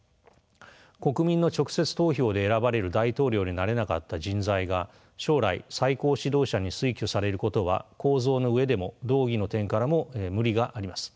国民の直接投票で選ばれる大統領になれなかった人材が将来最高指導者に推挙されることは構造の上でも道義の点からも無理があります。